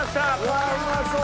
うわっうまそう。